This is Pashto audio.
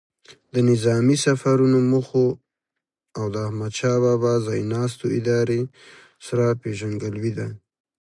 د نظامي سفرونو موخو او د احمدشاه بابا ځای ناستو ادارې سره پیژندګلوي ده.